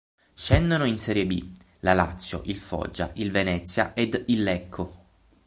Scendono in Serie B la Lazio, il Foggia, il Venezia ed il Lecco.